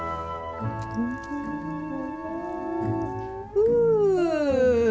ふう。